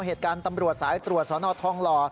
เหตุการณ์ตำรวจสายตรวจสนทองหล่อ